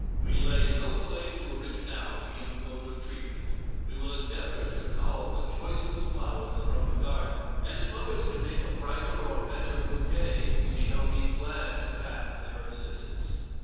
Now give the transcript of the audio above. We lay no claim to originality in the mode of treatment we will endeavor to cull the choicest flowers from the garden, and if others can make a brighter or better bouquet, we shall be glad to have their assistance.